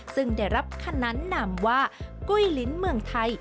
ซึ่งได้รับขนานนำว่ากุ้ยลิ้นเมืองไทย